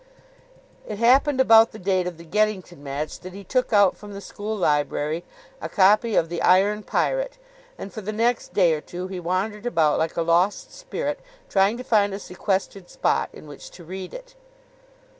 It happened about the date of the Geddington match that he took out from the school library a copy of "The Iron Pirate," and for the next day or two he wandered about like a lost spirit trying to find a sequestered spot in which to read it.